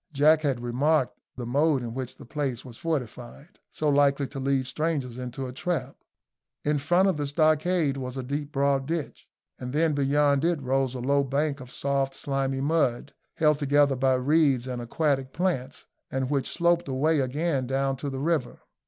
Jack had remarked the mode in which the place was fortified, so likely to lead strangers into a trap. In front of the stockades was a deep broad ditch, and then beyond it rose a low bank of soft slimy mud, held together by reeds and aquatic plants, and which sloped away again down to the river.